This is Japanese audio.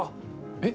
えっ？